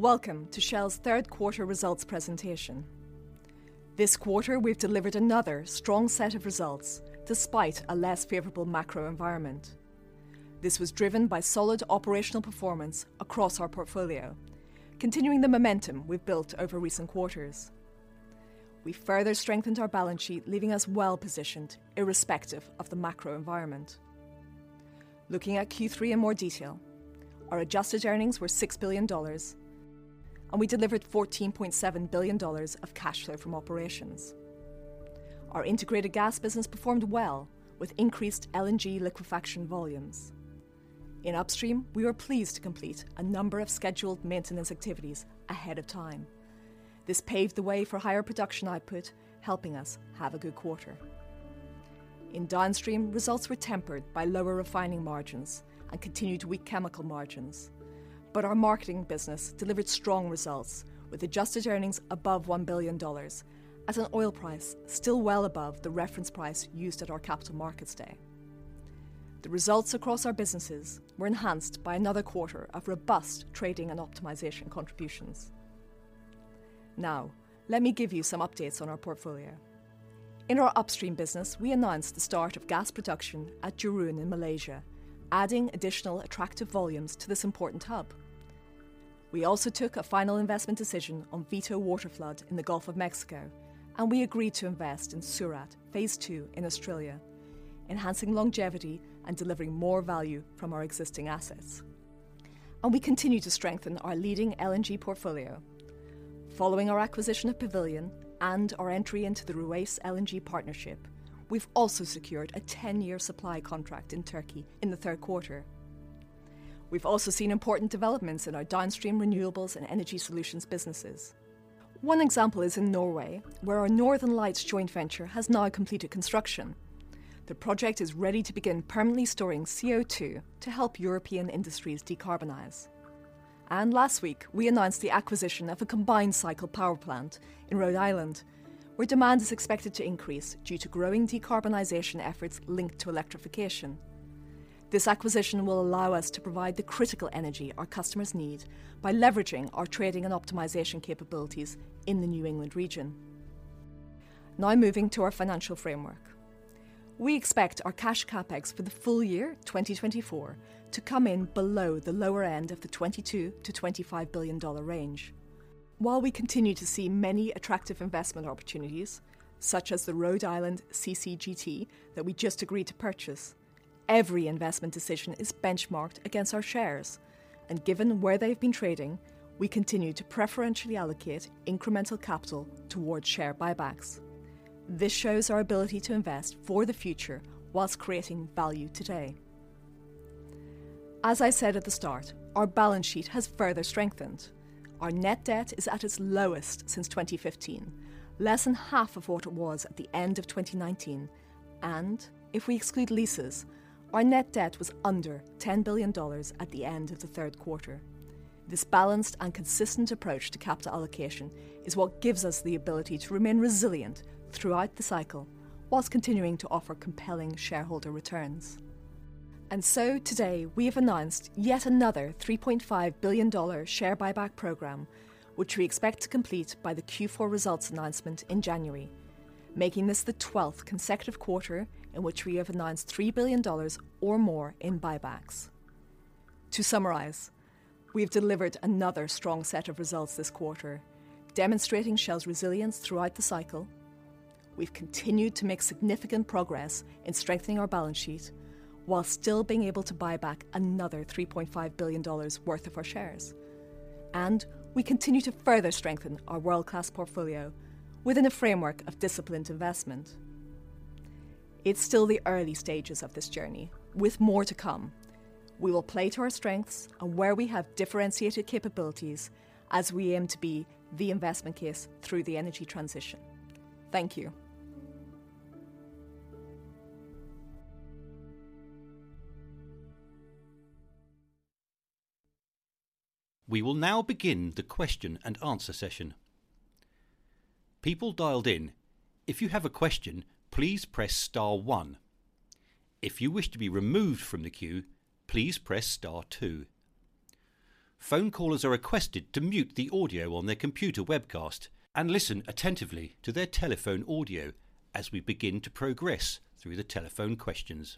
Welcome to Shell's third quarter results presentation. This quarter we've delivered another strong set of results despite a less favorable macro environment. This was driven by solid operational performance across our portfolio, continuing the momentum we've built over recent quarters. We further strengthened our balance sheet, leaving us well positioned irrespective of the macro environment. Looking at Q3 in more detail, our adjusted earnings were $6 billion, and we delivered $14.7 billion of cash flow from operations. Our Integrated Gas business performed well with increased LNG liquefaction volumes. In Upstream, we were pleased to complete a number of scheduled maintenance activities ahead of time. This paved the way for higher production output, helping us have a good quarter. In Downstream, results were tempered by lower refining margins and continued weak chemical margins, but our marketing business delivered strong results with adjusted earnings above $1 billion as an oil price still well above the reference price used at our Capital Markets Day. The results across our businesses were enhanced by another quarter of robust trading and optimization contributions. Now, let me give you some updates on our portfolio. In our upstream business, we announced the start of gas production at Jerun in Malaysia, adding additional attractive volumes to this important hub. We also took a final investment decision on Vito waterflood in the Gulf of Mexico, and we agreed to invest in Surat phase II, in Australia, enhancing longevity and delivering more value from our existing assets, and we continue to strengthen our leading LNG portfolio. Following our acquisition of Pavilion and our entry into the Ruwais LNG partnership, we've also secured a 10-year supply contract in Turkey in the third quarter. We've also seen important developments in our Downstream Renewables and Energy Solutions businesses. One example is in Norway, where our Northern Lights joint venture has now completed construction. The project is ready to begin permanently storing CO2 to help European industries decarbonize. And last week, we announced the acquisition of a combined cycle power plant in Rhode Island, where demand is expected to increase due to growing decarbonization efforts linked to electrification. This acquisition will allow us to provide the critical energy our customers need by leveraging our trading and optimization capabilities in the New England region. Now moving to our financial framework. We expect our cash CapEx for the full year, 2024, to come in below the lower end of the $22 billion-$25 billion range. While we continue to see many attractive investment opportunities, such as the Rhode Island CCGT that we just agreed to purchase, every investment decision is benchmarked against our shares, and given where they've been trading, we continue to preferentially allocate incremental capital towards share buybacks. This shows our ability to invest for the future while creating value today. As I said at the start, our balance sheet has further strengthened. Our net debt is at its lowest since 2015, less than half of what it was at the end of 2019, and if we exclude leases, our net debt was under $10 billion at the end of the third quarter. This balanced and consistent approach to capital allocation is what gives us the ability to remain resilient throughout the cycle while continuing to offer compelling shareholder returns, and so today, we have announced yet another $3.5 billion share buyback program, which we expect to complete by the Q4 results announcement in January, making this the 12th consecutive quarter in which we have announced $3 billion or more in buybacks. To summarize, we've delivered another strong set of results this quarter, demonstrating Shell's resilience throughout the cycle. We've continued to make significant progress in strengthening our balance sheet while still being able to buy back another $3.5 billion worth of our shares, and we continue to further strengthen our world-class portfolio within a framework of disciplined investment. It's still the early stages of this journey, with more to come. We will play to our strengths and where we have differentiated capabilities as we aim to be the investment case through the energy transition. Thank you. We will now begin the question and answer session. People dialed in, if you have a question, please press star one. If you wish to be removed from the queue, please press star two. Phone callers are requested to mute the audio on their computer webcast and listen attentively to their telephone audio as we begin to progress through the telephone questions.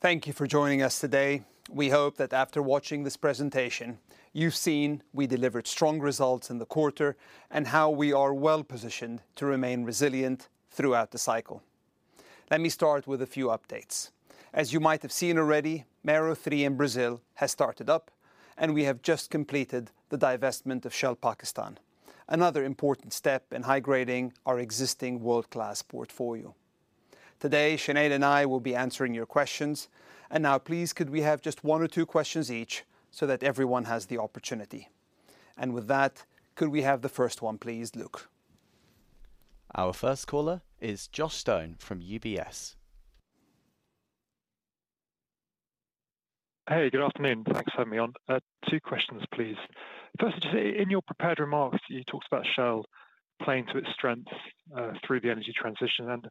Thank you for joining us today. We hope that after watching this presentation, you've seen we delivered strong results in the quarter and how we are well positioned to remain resilient throughout the cycle. Let me start with a few updates. As you might have seen already, Mero-3 in Brazil has started up, and we have just completed the divestment of Shell Pakistan, another important step in high grading our existing world-class portfolio. Today, Sinead and I will be answering your questions. And now, please, could we have just one or two questions each so that everyone has the opportunity? And with that, could we have the first one, please, Luke? Our first caller is Josh Stone from UBS. Hey, good afternoon. Thanks for having me on. Two questions, please. First, just in your prepared remarks, you talked about Shell playing to its strengths through the energy transition. And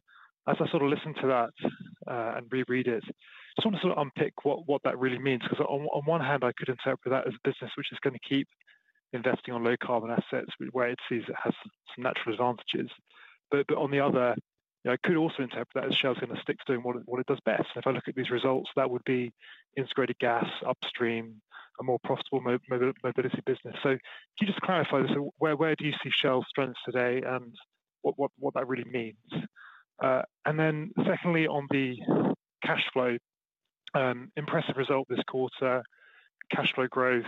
as I sort of listen to that and reread it, I just want to sort of unpick what that really means. Because on one hand, I could interpret that as a business which is going to keep investing in low carbon assets, where it sees it has some natural advantages. But on the other, I could also interpret that as Shell's going to stick to doing what it does best. And if I look at these results, that would be integrated gas, upstream, a more profitable mobility business. So could you just clarify this, where do you see Shell's strengths today and what that really means? And then, secondly, on the cash flow, impressive result this quarter, cash flow growth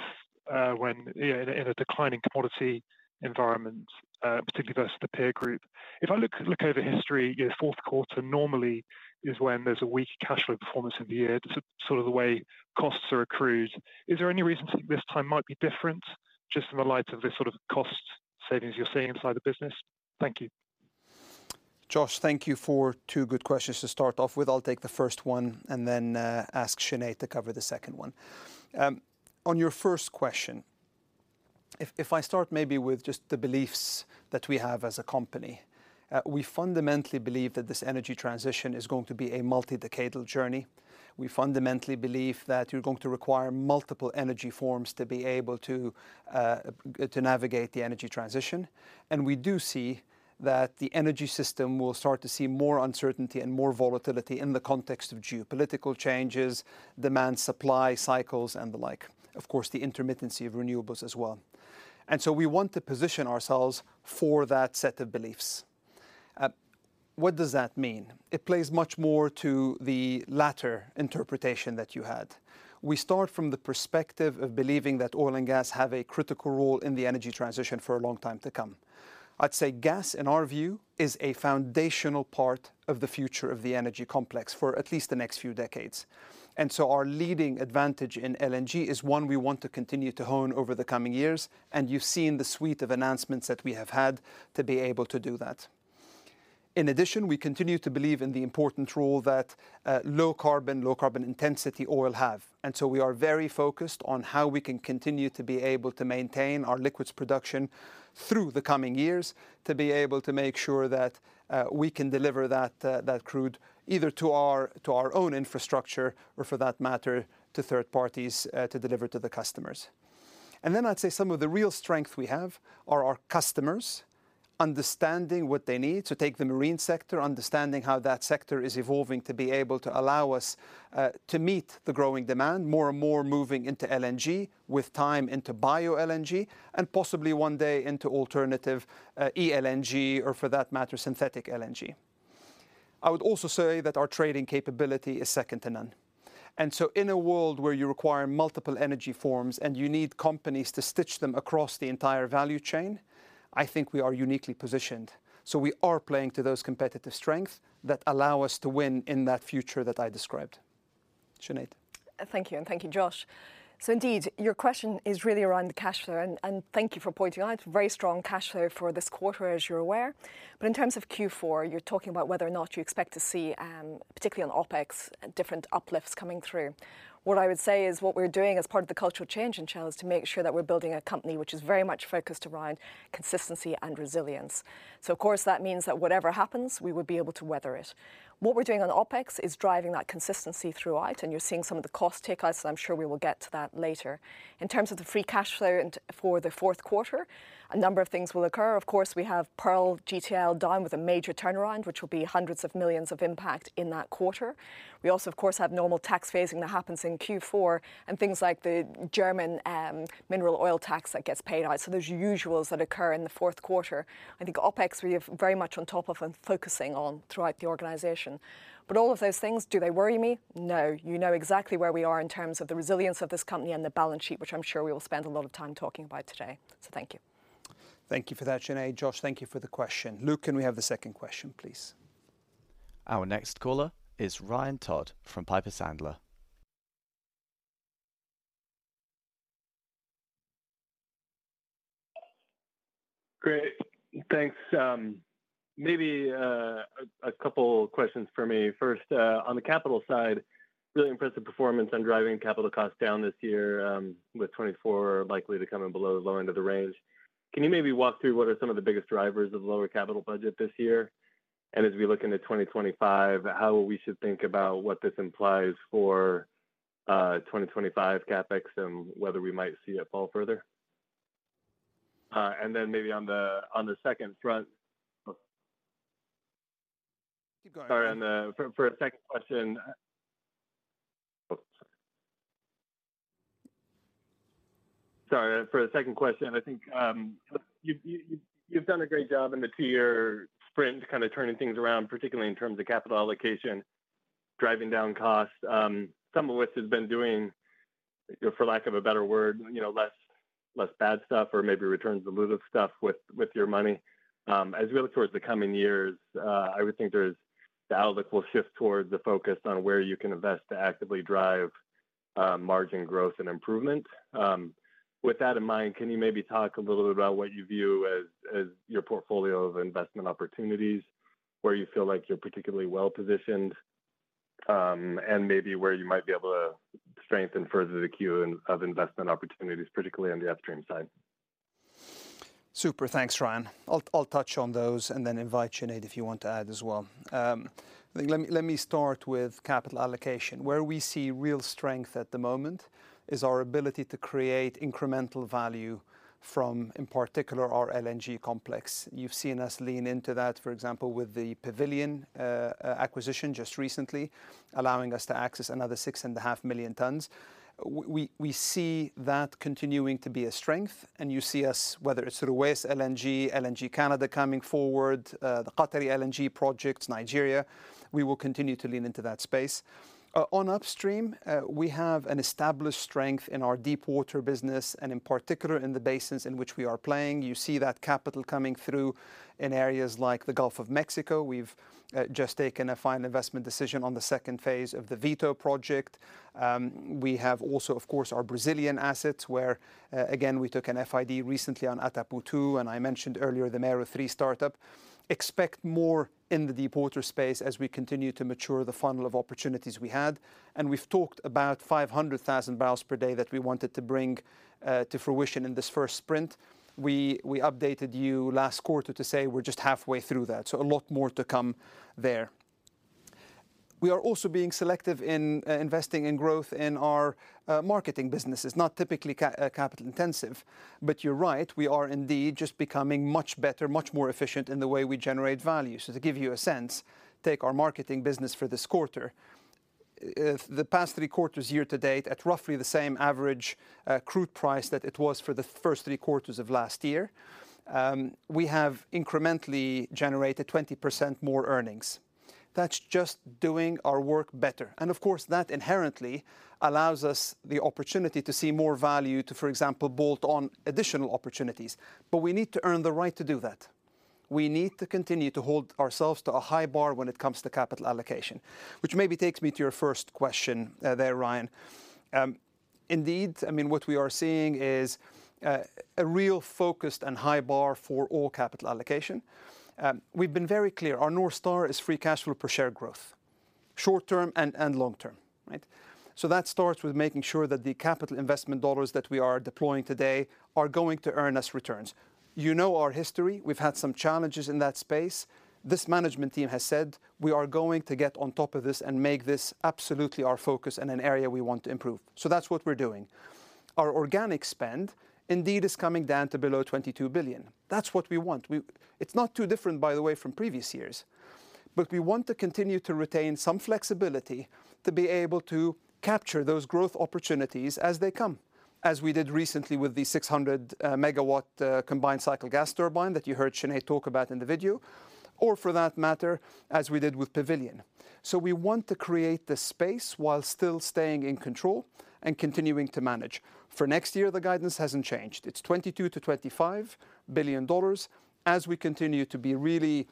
in a declining commodity environment, particularly versus the peer group. If I look over history, fourth quarter normally is when there's a weak cash flow performance of the year. That's sort of the way costs are accrued. Is there any reason to think this time might be different just in the light of the sort of cost savings you're seeing inside the business? Thank you. Josh, thank you for two good questions to start off with. I'll take the first one and then ask Sinead to cover the second one. On your first question, if I start maybe with just the beliefs that we have as a company, we fundamentally believe that this energy transition is going to be a multi-decadal journey. We fundamentally believe that you're going to require multiple energy forms to be able to navigate the energy transition. And we do see that the energy system will start to see more uncertainty and more volatility in the context of geopolitical changes, demand-supply cycles, and the like. Of course, the intermittency of renewables as well. And so we want to position ourselves for that set of beliefs. What does that mean? It plays much more to the latter interpretation that you had. We start from the perspective of believing that oil and gas have a critical role in the energy transition for a long time to come. I'd say gas, in our view, is a foundational part of the future of the energy complex for at least the next few decades. And so our leading advantage in LNG is one we want to continue to hone over the coming years, and you've seen the suite of announcements that we have had to be able to do that. In addition, we continue to believe in the important role that low carbon, low carbon intensity oil has. And so we are very focused on how we can continue to be able to maintain our liquids production through the coming years to be able to make sure that we can deliver that crude either to our own infrastructure or, for that matter, to third parties to deliver to the customers. And then I'd say some of the real strengths we have are our customers understanding what they need. So take the marine sector, understanding how that sector is evolving to be able to allow us to meet the growing demand, more and more moving into LNG with time into bio-LNG, and possibly one day into alternative e-LNG or, for that matter, synthetic LNG. I would also say that our trading capability is second to none. And so in a world where you require multiple energy forms and you need companies to stitch them across the entire value chain, I think we are uniquely positioned. So we are playing to those competitive strengths that allow us to win in that future that I described. Sinead. Thank you, and thank you, Josh, so indeed, your question is really around the cash flow, and thank you for pointing out very strong cash flow for this quarter, as you're aware, but in terms of Q4, you're talking about whether or not you expect to see, particularly on OpEx, different uplifts coming through. What I would say is what we're doing as part of the cultural change in Shell is to make sure that we're building a company which is very much focused around consistency and resilience, so of course, that means that whatever happens, we would be able to weather it. What we're doing on OpEx is driving that consistency throughout, and you're seeing some of the cost take-offs, and I'm sure we will get to that later. In terms of the free cash flow for the fourth quarter, a number of things will occur. Of course, we have Pearl GTL down with a major turnaround, which will be hundreds of millions of impact in that quarter. We also, of course, have normal tax phasing that happens in Q4 and things like the German mineral oil tax that gets paid out. So there's usuals that occur in the fourth quarter. I think OpEx we have very much on top of and focusing on throughout the organization. But all of those things, do they worry me? No. You know exactly where we are in terms of the resilience of this company and the balance sheet, which I'm sure we will spend a lot of time talking about today. So thank you. Thank you for that, Sinead. Josh, thank you for the question. Luke, can we have the second question, please? Our next caller is Ryan Todd from Piper Sandler. Great. Thanks. Maybe a couple of questions for me. First, on the capital side, really impressive performance on driving capital costs down this year with 2024 likely to come in below the low end of the range. Can you maybe walk through what are some of the biggest drivers of the lower capital budget this year? And as we look into 2025, how we should think about what this implies for 2025 CapEx and whether we might see it fall further? And then maybe on the second front. Keep going. Sorry, for a second question. I think you've done a great job in the two-year Sprint kind of turning things around, particularly in terms of capital allocation, driving down costs, some of which has been doing, for lack of a better word, less bad stuff or maybe returns diluted stuff with your money. As we look towards the coming years, I would think there's the outlook will shift towards the focus on where you can invest to actively drive margin growth and improvement. With that in mind, can you maybe talk a little bit about what you view as your portfolio of investment opportunities, where you feel like you're particularly well positioned, and maybe where you might be able to strengthen further the queue of investment opportunities, particularly on the upstream side? Super. Thanks, Ryan. I'll touch on those and then invite Sinead if you want to add as well. Let me start with capital allocation. Where we see real strength at the moment is our ability to create incremental value from, in particular, our LNG complex. You've seen us lean into that, for example, with the Pavilion acquisition just recently, allowing us to access another six and a half million tons. We see that continuing to be a strength, and you see us, whether it's Ruwais LNG, LNG Canada coming forward, the Qatari LNG projects, Nigeria, we will continue to lean into that space. On upstream, we have an established strength in our Deepwater business and, in particular, in the basins in which we are playing. You see that capital coming through in areas like the Gulf of Mexico. We've just taken a final investment decision on the second phase of the Vito project. We have also, of course, our Brazilian assets, where, again, we took an FID recently on Atapu, and I mentioned earlier the Mero-3 startup. Expect more in the Deepwater space as we continue to mature the funnel of opportunities we had. And we've talked about 500,000 bbl per day that we wanted to bring to fruition in this first Sprint. We updated you last quarter to say we're just halfway through that. So a lot more to come there. We are also being selective in investing in growth in our marketing businesses. Not typically capital intensive, but you're right. We are indeed just becoming much better, much more efficient in the way we generate value. So to give you a sense, take our marketing business for this quarter. The past three quarters, year to date, at roughly the same average crude price that it was for the first three quarters of last year, we have incrementally generated 20% more earnings. That's just doing our work better. And of course, that inherently allows us the opportunity to see more value to, for example, bolt on additional opportunities. But we need to earn the right to do that. We need to continue to hold ourselves to a high bar when it comes to capital allocation, which maybe takes me to your first question there, Ryan. Indeed, I mean, what we are seeing is a real focused and high bar for all capital allocation. We've been very clear. Our North Star is free cash flow per share growth, short term and long term. So that starts with making sure that the capital investment dollars that we are deploying today are going to earn us returns. You know our history. We've had some challenges in that space. This management team has said, "We are going to get on top of this and make this absolutely our focus and an area we want to improve." So that's what we're doing. Our organic spend indeed is coming down to below $22 billion. That's what we want. It's not too different, by the way, from previous years. But we want to continue to retain some flexibility to be able to capture those growth opportunities as they come, as we did recently with the 600 MW combined cycle gas turbine that you heard Sinead talk about in the video, or for that matter, as we did with Pavilion.So we want to create the space while still staying in control and continuing to manage. For next year, the guidance hasn't changed. It's $22 billion-$25 billion as we continue to be really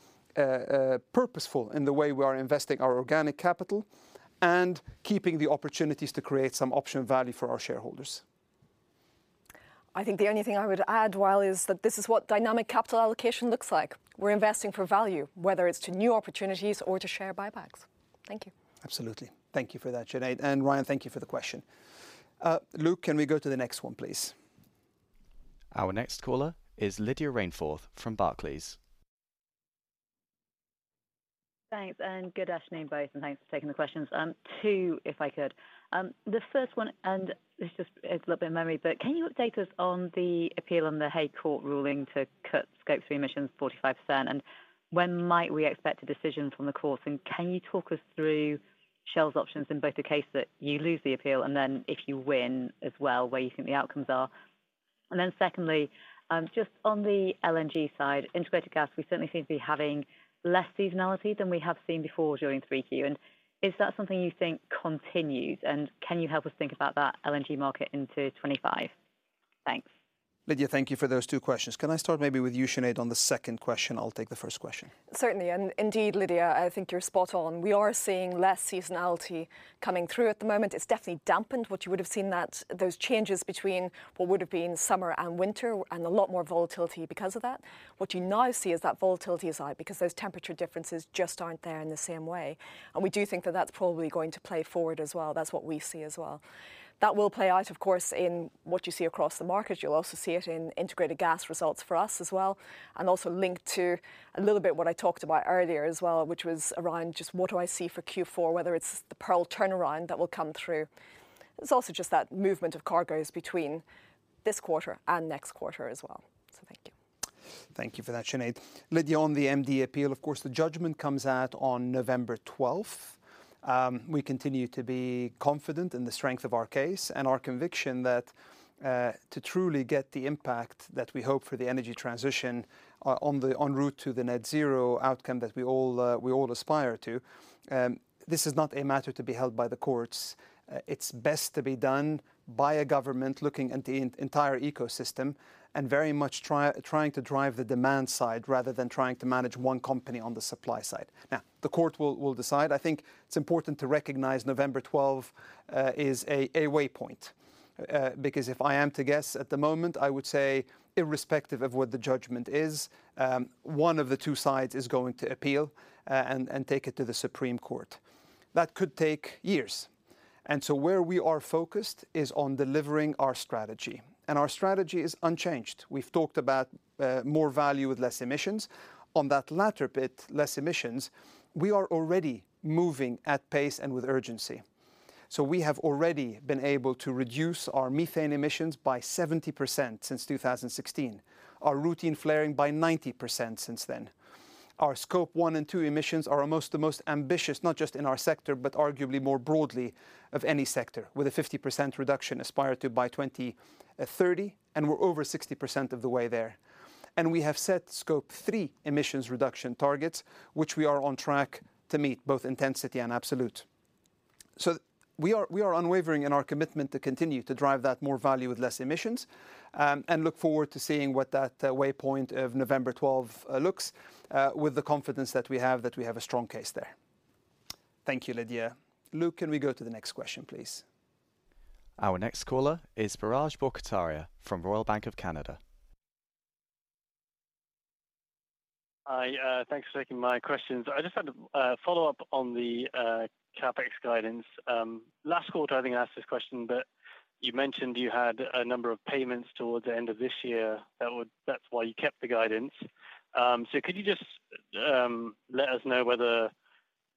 purposeful in the way we are investing our organic capital and keeping the opportunities to create some option value for our shareholders. I think the only thing I would add, Wael, is that this is what dynamic capital allocation looks like. We're investing for value, whether it's to new opportunities or to share buybacks. Thank you. Absolutely. Thank you for that, Sinead. And Ryan, thank you for the question. Luke, can we go to the next one, please? Our next caller is Lydia Rainforth from Barclays. Thanks. And good afternoon, both. And thanks for taking the questions. Two, if I could. The first one, and this is just a little bit of memory, but can you update us on the appeal on the Hague Court ruling to cut Scope 3 emissions 45%? And when might we expect a decision from the courts? And can you talk us through Shell's options in both the case that you lose the appeal and then if you win as well, where you think the outcomes are? And then secondly, just on the LNG side, Integrated Gas, we certainly seem to be having less seasonality than we have seen before during 3Q. And is that something you think continues? And can you help us think about that LNG market into 2025? Thanks. Lydia, thank you for those two questions. Can I start maybe with you, Sinead, on the second question? I'll take the first question. Certainly. And indeed, Lydia, I think you're spot on. We are seeing less seasonality coming through at the moment. It's definitely dampened what you would have seen, those changes between what would have been summer and winter and a lot more volatility because of that. What you now see is that volatility is out because those temperature differences just aren't there in the same way. And we do think that that's probably going to play forward as well. That's what we see as well. That will play out, of course, in what you see across the market. You'll also see it in Integrated Gas results for us as well, and also linked to a little bit what I talked about earlier as well, which was around just what do I see for Q4, whether it's the Pearl turnaround that will come through. It's also just that movement of cargoes between this quarter and next quarter as well. So thank you. Thank you for that, Sinead. Lydia, on the MD appeal, of course, the judgment comes out on November 12. We continue to be confident in the strength of our case and our conviction that to truly get the impact that we hope for the energy transition on the en route to the net zero outcome that we all aspire to, this is not a matter to be held by the courts. It's best to be done by a government looking at the entire ecosystem and very much trying to drive the demand side rather than trying to manage one company on the supply side. Now, the court will decide. I think it's important to recognize November 12 is a waypoint because if I am to guess at the moment, I would say, irrespective of what the judgment is, one of the two sides is going to appeal and take it to the Supreme Court. That could take years, so where we are focused is on delivering our strategy, and our strategy is unchanged. We've talked about more value with less emissions. On that latter bit, less emissions, we are already moving at pace and with urgency. So we have already been able to reduce our methane emissions by 70% since 2016, our routine flaring by 90% since then. Our Scope 1 and 2 emissions are among the most ambitious, not just in our sector, but arguably more broadly of any sector, with a 50% reduction aspired to by 2030, and we're over 60% of the way there and we have set Scope 3 emissions reduction targets, which we are on track to meet, both intensity and absolute. so we are unwavering in our commitment to continue to drive that more value with less emissions and look forward to seeing what that waypoint of November 12 looks with the confidence that we have a strong case there. Thank you, Lydia. Luke, can we go to the next question, please? Our next caller is Biraj Borkhataria from Royal Bank of Canada. Hi. Thanks for taking my questions. I just had a follow-up on the CapEx guidance. Last quarter, I think I asked this question, but you mentioned you had a number of payments towards the end of this year that would, that's why you kept the guidance. So could you just let us know whether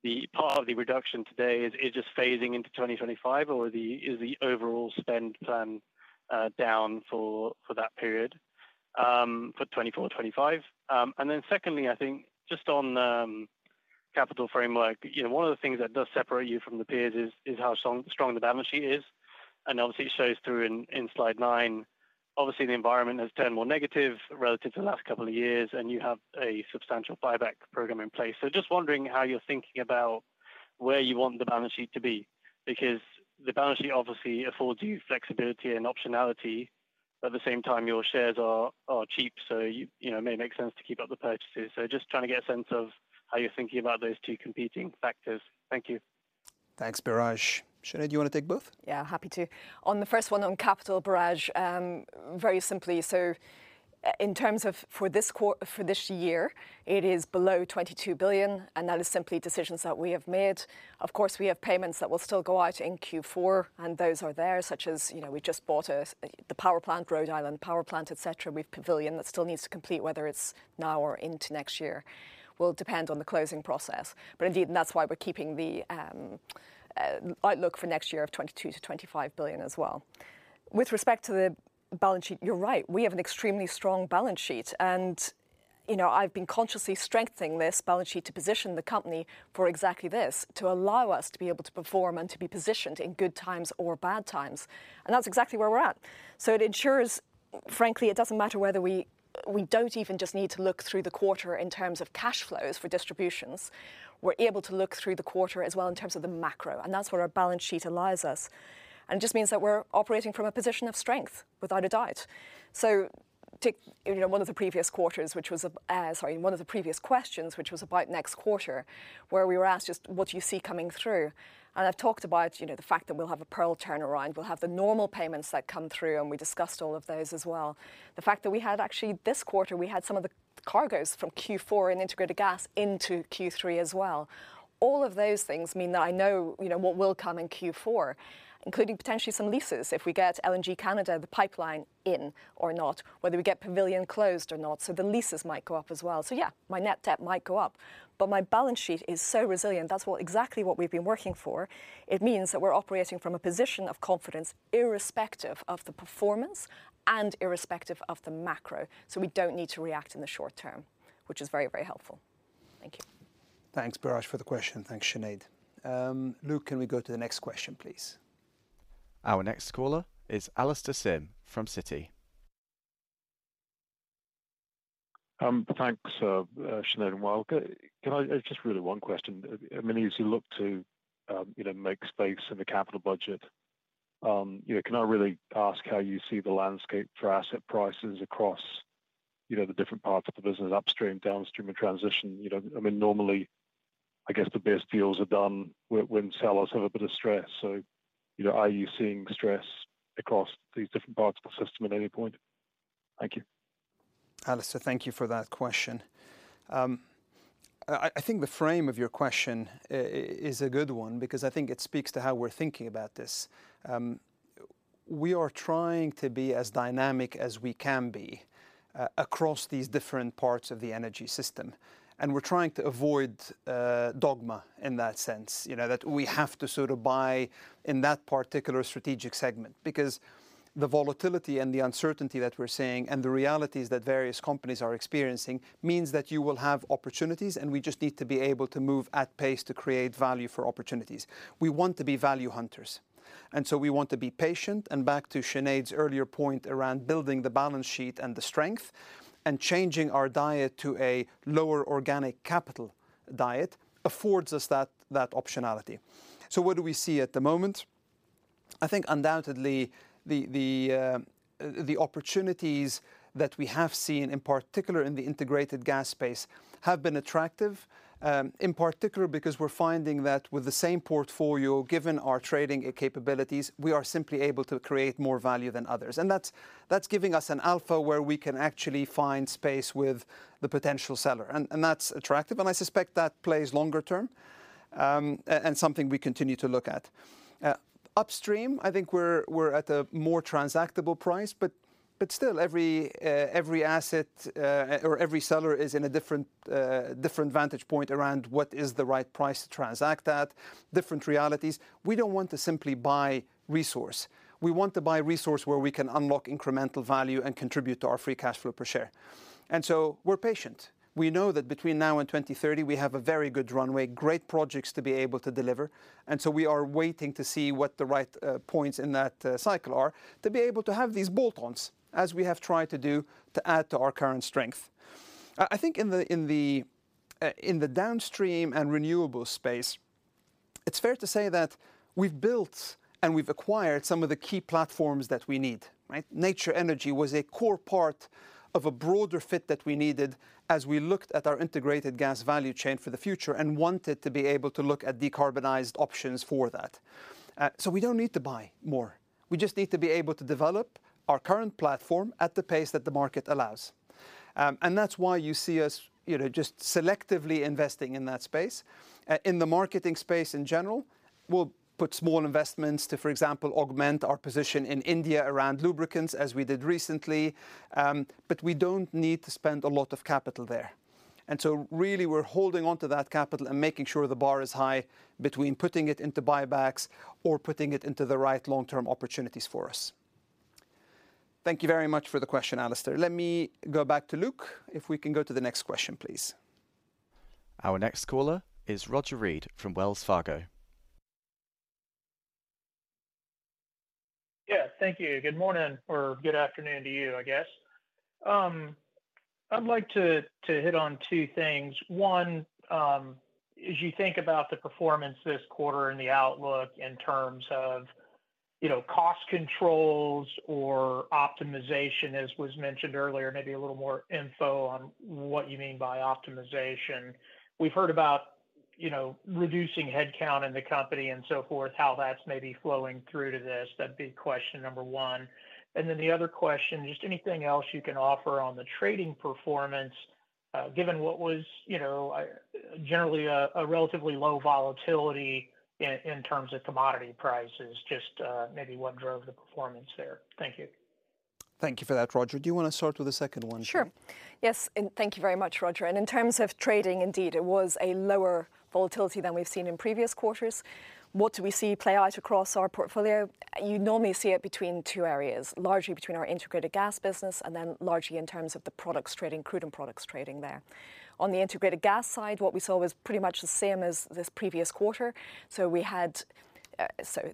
the part of the reduction today is just phasing into 2025 or is the overall spend plan down for that period for 2024, 2025? And then secondly, I think just on capital framework, one of the things that does separate you from the peers is how strong the balance sheet is. And obviously, it shows through in Slide 9 . Obviously, the environment has turned more negative relative to the last couple of years, and you have a substantial buyback program in place. So just wondering how you're thinking about where you want the balance sheet to be, because the balance sheet obviously affords you flexibility and optionality, but at the same time, your shares are cheap, so it may make sense to keep up the purchases. So just trying to get a sense of how you're thinking about those two competing factors. Thank you. Thanks, Biraj. Sinead, do you want to take both? Yeah, happy to. On the first one on capital, Biraj, very simply, so in terms of for this year, it is below $22 billion, and that is simply decisions that we have made. Of course, we have payments that will still go out in Q4, and those are there, such as we just bought the power plant, Rhode Island power plant, et cetera. We have Pavilion that still needs to complete, whether it's now or into next year. It will depend on the closing process. But indeed, and that's why we're keeping the outlook for next year of $22 billion-$25 billion as well. With respect to the balance sheet, you're right. We have an extremely strong balance sheet. I've been consciously strengthening this balance sheet to position the company for exactly this, to allow us to be able to perform and to be positioned in good times or bad times. That's exactly where we're at. It ensures, frankly, it doesn't matter whether we don't even just need to look through the quarter in terms of cash flows for distributions. We're able to look through the quarter as well in terms of the macro. That's where our balance sheet allows us. It just means that we're operating from a position of strength without a doubt. One of the previous quarters, which was, sorry, one of the previous questions, which was about next quarter, where we were asked just, what do you see coming through? I've talked about the fact that we'll have a Pearl turnaround. We'll have the normal payments that come through, and we discussed all of those as well. The fact that we had actually this quarter, we had some of the cargoes from Q4 and Integrated Gas into Q3 as well. All of those things mean that I know what will come in Q4, including potentially some leases if we get LNG Canada the pipeline in or not, whether we get Pavilion closed or not. So the leases might go up as well. So yeah, my net debt might go up, but my balance sheet is so resilient. That's exactly what we've been working for. It means that we're operating from a position of confidence irrespective of the performance and irrespective of the macro. So we don't need to react in the short term, which is very, very helpful. Thank you. Thanks, Biraj, for the question. Thanks, Sinead. Luke, can we go to the next question, please? Our next caller is Alastair Syme from Citi. Thanks, Sinead and Wael. Just really one question. I mean, as you look to make space in the capital budget, can I really ask how you see the landscape for asset prices across the different parts of the business, upstream, Downstream, and transition? I mean, normally, I guess the best deals are done when sellers have a bit of stress. So are you seeing stress across these different parts of the system at any point? Thank you. Alastair, thank you for that question. I think the frame of your question is a good one because I think it speaks to how we're thinking about this. We are trying to be as dynamic as we can be across these different parts of the energy system. And we're trying to avoid dogma in that sense, that we have to sort of buy in that particular strategic segment because the volatility and the uncertainty that we're seeing and the realities that various companies are experiencing means that you will have opportunities, and we just need to be able to move at pace to create value for opportunities. We want to be value hunters, and so we want to be patient, and back to Sinead's earlier point around building the balance sheet and the strength and changing our diet to a lower organic capital diet affords us that optionality. So what do we see at the moment? I think undoubtedly the opportunities that we have seen, in particular in the Integrated Gas space, have been attractive, in particular because we're finding that with the same portfolio, given our trading capabilities, we are simply able to create more value than others. And that's giving us an alpha where we can actually find space with the potential seller. And that's attractive. And I suspect that plays longer term and something we continue to look at. Upstream, I think we're at a more transactable price, but still every asset or every seller is in a different vantage point around what is the right price to transact at, different realities. We don't want to simply buy resource. We want to buy resource where we can unlock incremental value and contribute to our Free Cash Flow per share. And so we're patient. We know that between now and 2030, we have a very good runway, great projects to be able to deliver, and so we are waiting to see what the right points in that cycle are to be able to have these bolt-ons as we have tried to do to add to our current strength. I think in the Downstream and renewable space, it's fair to say that we've built and we've acquired some of the key platforms that we need. Nature Energy was a core part of a broader fit that we needed as we looked at our Integrated Gas value chain for the future and wanted to be able to look at decarbonized options for that, so we don't need to buy more. We just need to be able to develop our current platform at the pace that the market allows. And that's why you see us just selectively investing in that space. In the marketing space in general, we'll put small investments to, for example, augment our position in India around lubricants as we did recently. But we don't need to spend a lot of capital there. And so really, we're holding on to that capital and making sure the bar is high between putting it into buybacks or putting it into the right long-term opportunities for us. Thank you very much for the question, Alastair. Let me go back to Luke. If we can go to the next question, please. Our next caller is Roger Read from Wells Fargo. Yeah, thank you. Good morning or good afternoon to you, I guess. I'd like to hit on two things. One, as you think about the performance this quarter and the outlook in terms of cost controls or optimization, as was mentioned earlier, maybe a little more info on what you mean by optimization. We've heard about reducing headcount in the company and so forth, how that's maybe flowing through to this. That'd be question number one. And then the other question, just anything else you can offer on the trading performance, given what was generally a relatively low volatility in terms of commodity prices, just maybe what drove the performance there. Thank you. Thank you for that, Roger. Do you want to start with the second one? Sure. Yes, and thank you very much, Roger, and in terms of trading, indeed, it was a lower volatility than we've seen in previous quarters. What do we see play out across our portfolio? You normally see it between two areas, largely between our Integrated Gas business and then largely in terms of the products trading, crude and products trading there. On the Integrated Gas side, what we saw was pretty much the same as this previous quarter, so we had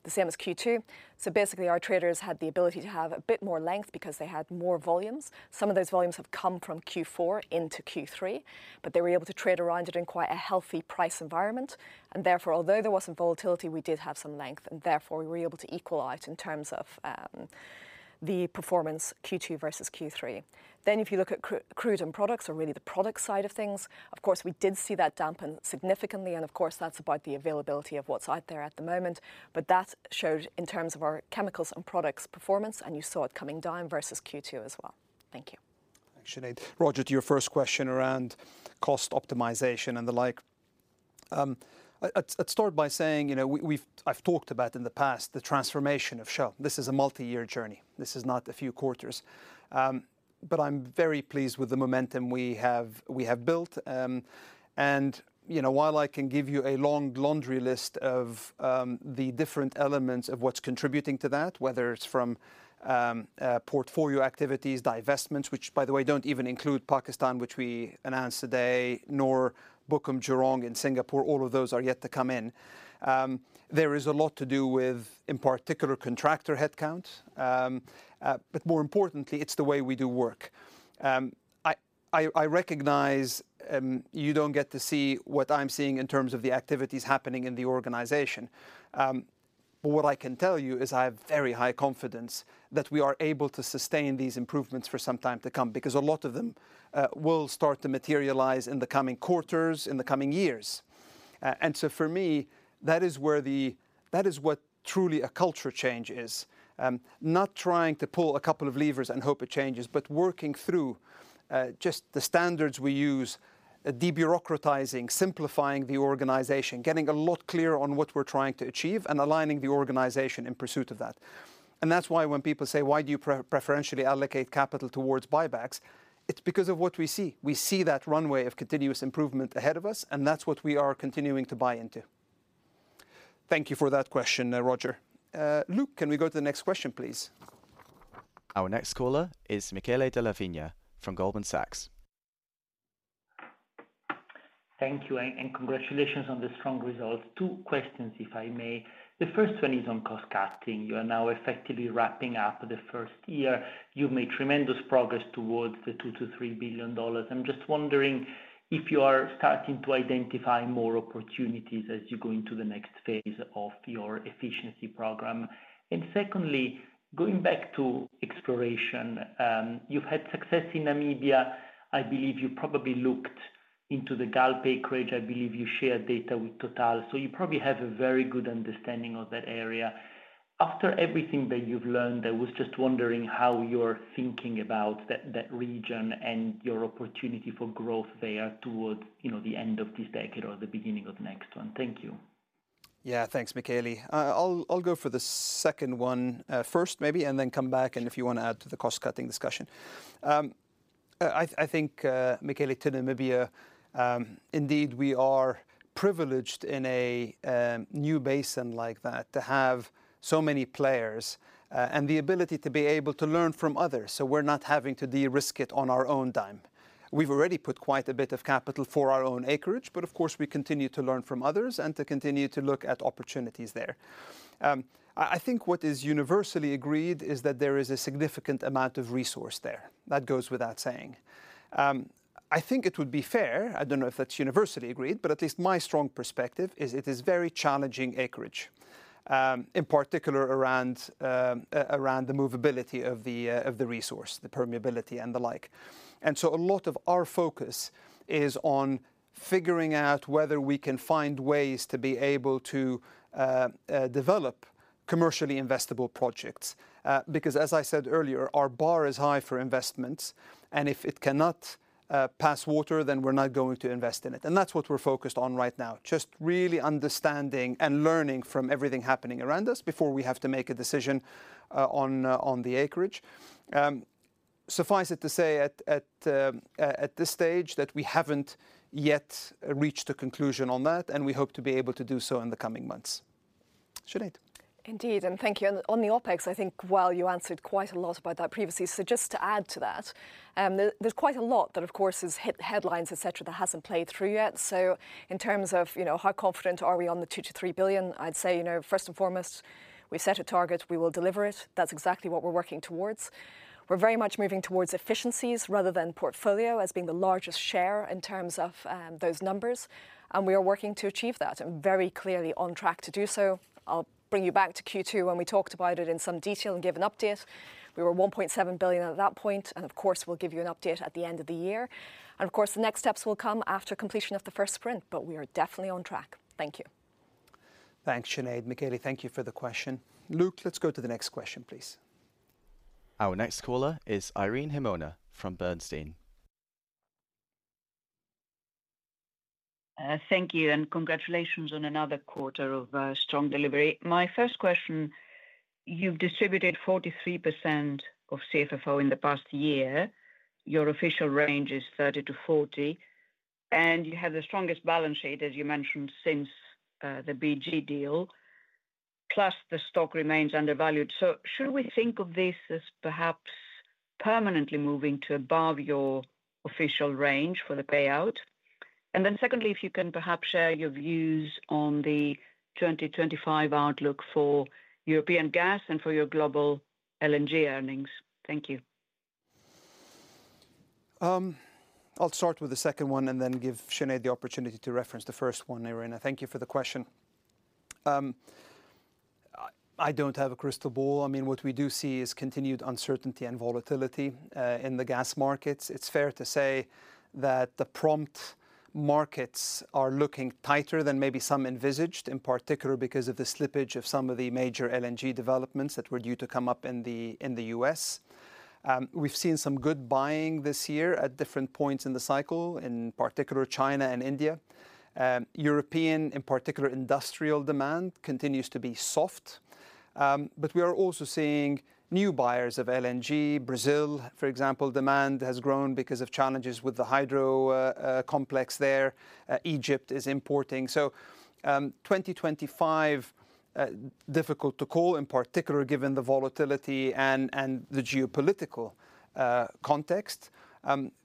the same as Q2, so basically, our traders had the ability to have a bit more length because they had more volumes. Some of those volumes have come from Q4 into Q3, but they were able to trade around it in quite a healthy price environment. And therefore, although there wasn't volatility, we did have some length, and therefore we were able to equal out in terms of the performance Q2 versus Q3. Then if you look at crude and products or really the product side of things, of course, we did see that dampen significantly. And of course, that's about the availability of what's out there at the moment. But that showed in terms of our Chemicals and Products performance, and you saw it coming down versus Q2 as well. Thank you. Thanks, Sinead. Roger, to your first question around cost optimization and the like, I'd start by saying I've talked about in the past the transformation of Shell. This is a multi-year journey. This is not a few quarters, but I'm very pleased with the momentum we have built. And while I can give you a long laundry list of the different elements of what's contributing to that, whether it's from portfolio activities, divestments, which by the way, don't even include Pakistan, which we announced today, nor Bukom-Jurong in Singapore. All of those are yet to come in. There is a lot to do with, in particular, contractor headcount, but more importantly, it's the way we do work. I recognize you don't get to see what I'm seeing in terms of the activities happening in the organization. But what I can tell you is I have very high confidence that we are able to sustain these improvements for some time to come because a lot of them will start to materialize in the coming quarters, in the coming years, and so for me, that is what truly a culture change is, not trying to pull a couple of levers and hope it changes, but working through just the standards we use, debureaucratizing, simplifying the organization, getting a lot clearer on what we're trying to achieve and aligning the organization in pursuit of that, and that's why when people say, why do you preferentially allocate capital towards buybacks? It's because of what we see. We see that runway of continuous improvement ahead of us, and that's what we are continuing to buy into. Thank you for that question, Roger. Luke, can we go to the next question, please? Our next caller is Michele Della Vigna from Goldman Sachs. Thank you. And congratulations on the strong results. Two questions, if I may. The first one is on cost cutting. You are now effectively wrapping up the first year. You've made tremendous progress towards the $2 billion-$3 billion. I'm just wondering if you are starting to identify more opportunities as you go into the next phase of your efficiency program. And secondly, going back to exploration, you've had success in Namibia. I believe you probably looked into the Gulf acreage. I believe you shared data with Total. So you probably have a very good understanding of that area. After everything that you've learned, I was just wondering how you're thinking about that region and your opportunity for growth there towards the end of this decade or the beginning of the next one. Thank you. Yeah, thanks, Michele. I'll go for the second one first, maybe, and then come back and if you want to add to the cost-cutting discussion. I think, Michele, to Namibia, indeed, we are privileged in a new basin like that to have so many players and the ability to be able to learn from others so we're not having to de-risk it on our own dime. We've already put quite a bit of capital for our own acreage, but of course, we continue to learn from others and to continue to look at opportunities there. I think what is universally agreed is that there is a significant amount of resource there. That goes without saying. I think it would be fair. I don't know if that's universally agreed, but at least my strong perspective is it is very challenging acreage, in particular around the mobility of the resource, the permeability and the like, and so a lot of our focus is on figuring out whether we can find ways to be able to develop commercially investable projects because, as I said earlier, our bar is high for investments, and if it cannot pass muster, then we're not going to invest in it, and that's what we're focused on right now, just really understanding and learning from everything happening around us before we have to make a decision on the acreage. Suffice it to say at this stage that we haven't yet reached a conclusion on that, and we hope to be able to do so in the coming months. Sinead. Indeed and thank you. On the OpEx, I think, well, you answered quite a lot about that previously. So just to add to that, there's quite a lot that, of course, is headlines, et cetera, that hasn't played through yet. So in terms of how confident are we on the $2 billion-$3 billion, I'd say first and foremost, we set a target, we will deliver it. That's exactly what we're working towards. We're very much moving towards efficiencies rather than portfolio as being the largest share in terms of those numbers. And we are working to achieve that and very clearly on track to do so. I'll bring you back to Q2 when we talked about it in some detail and give an update. We were $1.7 billion at that point. And of course, we'll give you an update at the end of the year. And of course, the next steps will come after completion of the first Sprint, but we are definitely on track. Thank you. Thanks, Sinead. Michele, thank you for the question. Luke, let's go to the next question, please. Our next caller is Irene Himona from Bernstein. Thank you. And congratulations on another quarter of strong delivery. My first question, you've distributed 43% of CFFO in the past year. Your official range is $30-$40. And you have the strongest balance sheet, as you mentioned, since the BG deal, plus the stock remains undervalued. So should we think of this as perhaps permanently moving to above your official range for the payout? And then secondly, if you can perhaps share your views on the 2025 outlook for European gas and for your global LNG earnings? Thank you. I'll start with the second one and then give Sinead the opportunity to reference the first one, Irene. Thank you for the question. I don't have a crystal ball. I mean, what we do see is continued uncertainty and volatility in the gas markets. It's fair to say that the prompt markets are looking tighter than maybe some envisioned, in particular because of the slippage of some of the major LNG developments that were due to come up in the U.S. We've seen some good buying this year at different points in the cycle, in particular China and India. European, in particular industrial demand continues to be soft. But we are also seeing new buyers of LNG. Brazil, for example, demand has grown because of challenges with the hydro complex there. Egypt is importing. So 2025, difficult to call, in particular given the volatility and the geopolitical context.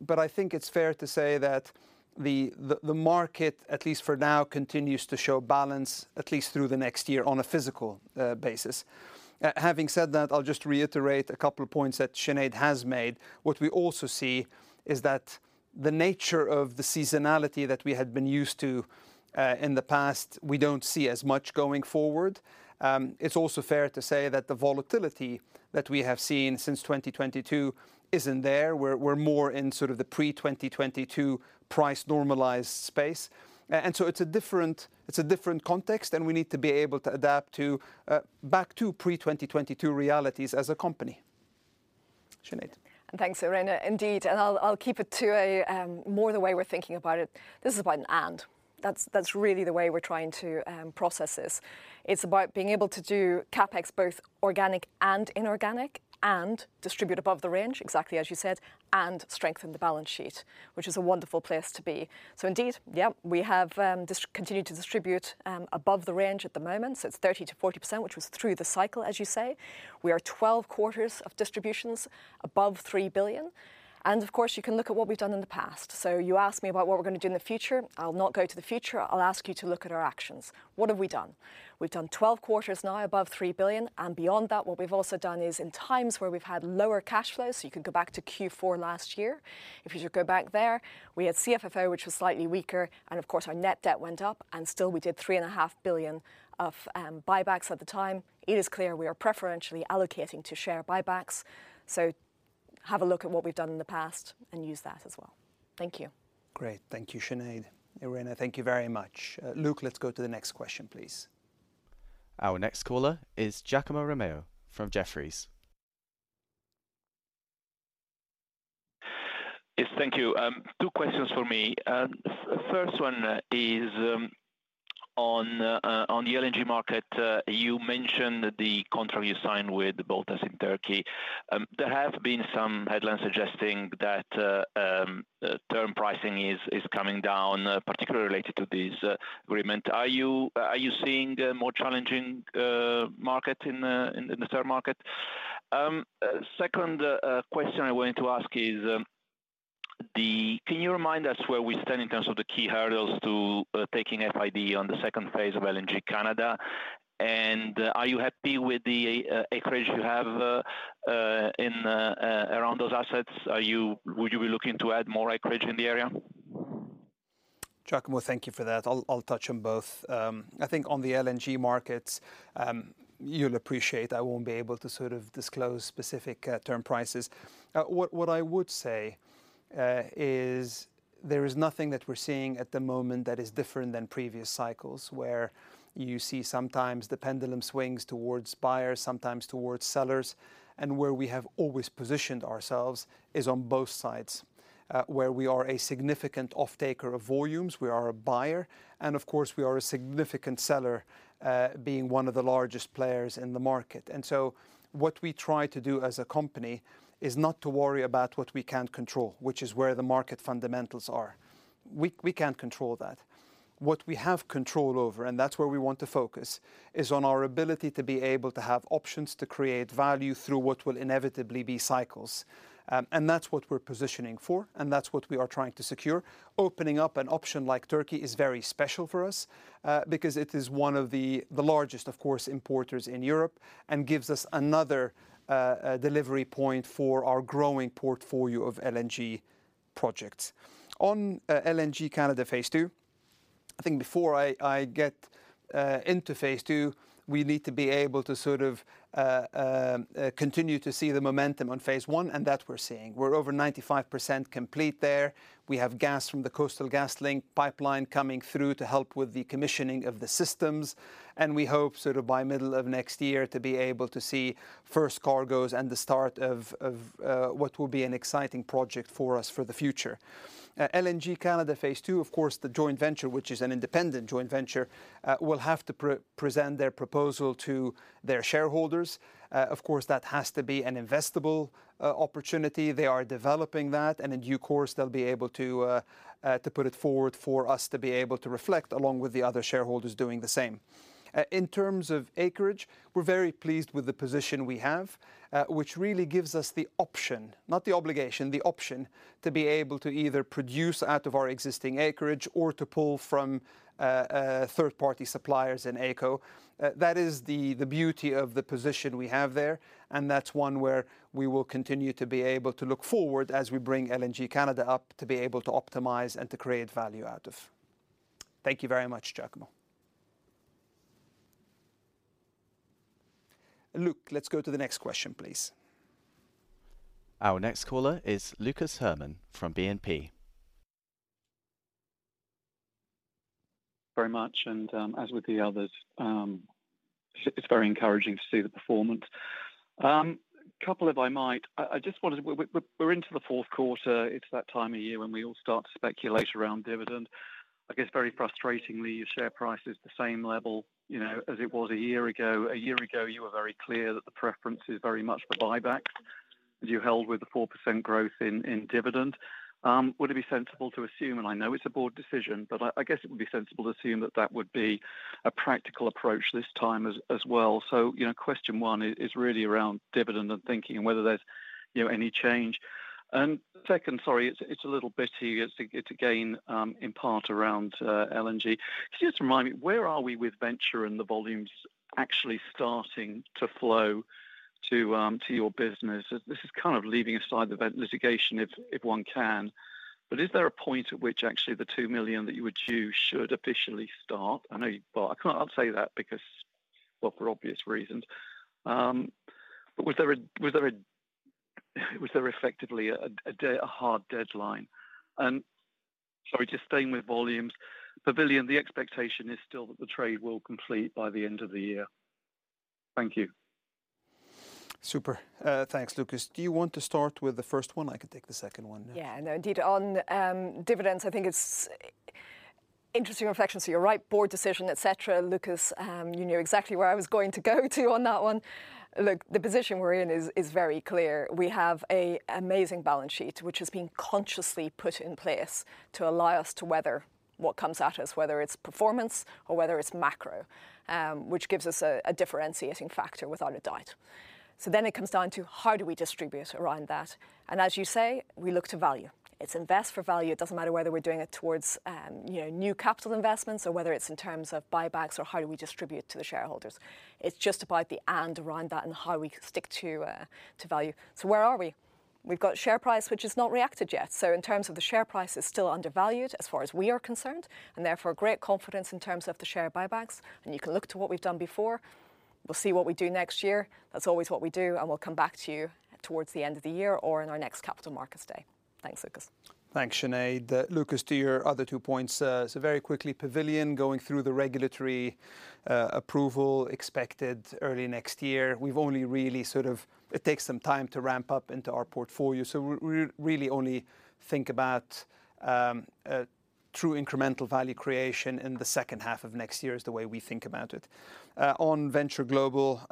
But I think it's fair to say that the market, at least for now, continues to show balance, at least through the next year on a physical basis. Having said that, I'll just reiterate a couple of points that Sinead has made. What we also see is that the nature of the seasonality that we had been used to in the past, we don't see as much going forward. It's also fair to say that the volatility that we have seen since 2022 isn't there. We're more in sort of the pre-2022 price normalized space. And so it's a different context, and we need to be able to adapt back to pre-2022 realities as a company. Sinead. Thanks, Irene, indeed. I'll keep it to more the way we're thinking about it. This is about an and. That's really the way we're trying to process this. It's about being able to do CapEx, both organic and inorganic, and distribute above the range, exactly as you said, and strengthen the balance sheet, which is a wonderful place to be. So indeed, yeah, we have continued to distribute above the range at the moment. It's 30%-40%, which was through the cycle, as you say. We are 12 quarters of distributions above $3 billion. Of course, you can look at what we've done in the past. You asked me about what we're going to do in the future. I'll not go to the future. I'll ask you to look at our actions. What have we done? We've done 12 quarters now above $3 billion. And beyond that, what we've also done is in times where we've had lower cash flows, so you could go back to Q4 last year. If you should go back there, we had CFFO, which was slightly weaker. And of course, our net debt went up. And still, we did $3.5 billion of buybacks at the time. It is clear we are preferentially allocating to share buybacks. So have a look at what we've done in the past and use that as well. Thank you. Great. Thank you, Sinead. Irene, thank you very much. Luke, let's go to the next question, please. Our next caller is Giacomo Romeo from Jefferies. Yes, thank you. Two questions for me. First one is on the LNG market. You mentioned the contract you signed with BOTAŞ in Turkey. There have been some headlines suggesting that term pricing is coming down, particularly related to this agreement. Are you seeing a more challenging market in the spot market? Second question I wanted to ask is, can you remind us where we stand in terms of the key hurdles to taking FID on the second phase of LNG Canada? And are you happy with the acreage you have around those assets? Would you be looking to add more acreage in the area? Giacomo, thank you for that. I'll touch on both. I think on the LNG markets, you'll appreciate I won't be able to sort of disclose specific term prices. What I would say is there is nothing that we're seeing at the moment that is different than previous cycles where you see sometimes the pendulum swings towards buyers, sometimes towards sellers, and where we have always positioned ourselves is on both sides, where we are a significant off-taker of volumes, we are a buyer, and of course, we are a significant seller being one of the largest players in the market, and so what we try to do as a company is not to worry about what we can't control, which is where the market fundamentals are. We can't control that. What we have control over, and that's where we want to focus, is on our ability to be able to have options to create value through what will inevitably be cycles. And that's what we're positioning for, and that's what we are trying to secure. Opening up an option like Turkey is very special for us because it is one of the largest, of course, importers in Europe and gives us another delivery point for our growing portfolio of LNG projects. On LNG Canada phase II, I think before I get into phase II, we need to be able to sort of continue to see the momentum on phase I, and that we're seeing. We're over 95% complete there. We have gas from the Coastal GasLink pipeline coming through to help with the commissioning of the systems. We hope sort of by middle of next year to be able to see first cargoes and the start of what will be an exciting project for us for the future. LNG Canada phase II, of course, the joint venture, which is an independent joint venture, will have to present their proposal to their shareholders. Of course, that has to be an investable opportunity. They are developing that. In due course, they'll be able to put it forward for us to be able to reflect along with the other shareholders doing the same. In terms of acreage, we're very pleased with the position we have, which really gives us the option, not the obligation, the option to be able to either produce out of our existing acreage or to pull from third-party suppliers in AECO. That is the beauty of the position we have there. And that's one where we will continue to be able to look forward as we bring LNG Canada up to be able to optimize and to create value out of. Thank you very much, Giacomo. Luke, let's go to the next question, please. Our next caller is Lucas Herrmann from BNP. Very much, and as with the others, it's very encouraging to see the performance. We're into the fourth quarter. It's that time of year when we all start to speculate around dividend. I guess very frustratingly, your share price is the same level as it was a year ago. A year ago, you were very clear that the preference is very much for buybacks as you held with the 4% growth in dividend. Would it be sensible to assume, and I know it's a board decision, but I guess it would be sensible to assume that that would be a practical approach this time as well, so question one is really around dividend and thinking and whether there's any change, and second, sorry, it's a little bit to gain, in part, around LNG. Just remind me, where are we with Venture Global and the volumes actually starting to flow to your business? This is kind of leaving aside the litigation, if one can. But is there a point at which actually the $2 million that you would do should officially start? I know you've bought. I can't say that because, well, for obvious reasons. But was there effectively a hard deadline? And sorry, just staying with volumes, Pavilion Energy, the expectation is still that the trade will complete by the end of the year. Thank you. Super. Thanks, Lucas. Do you want to start with the first one? I can take the second one. Yeah, indeed. On dividends, I think it's interesting reflections. So you're right, board decision, et cetera. Lucas, you knew exactly where I was going to go to on that one. Look, the position we're in is very clear. We have an amazing balance sheet, which has been consciously put in place to allow us to weather what comes at us, whether it's performance or whether it's macro, which gives us a differentiating factor without a doubt. So then it comes down to how do we distribute around that? And as you say, we look to value. It's invest for value. It doesn't matter whether we're doing it towards new capital investments or whether it's in terms of buybacks or how do we distribute to the shareholders. It's just about the and around that and how we stick to value. So where are we? We've got share price, which has not reacted yet. So in terms of the share price, it's still undervalued as far as we are concerned, and therefore great confidence in terms of the share buybacks. And you can look to what we've done before. We'll see what we do next year. That's always what we do. And we'll come back to you towards the end of the year or in our next Capital Markets Day. Thanks, Lucas. Thanks, Sinead. Lucas, to your other two points, so very quickly, Pavilion going through the regulatory approval expected early next year. We've only really sort of, it takes some time to ramp up into our portfolio. So we really only think about true incremental value creation in the second half of next year is the way we think about it. On Venture Global,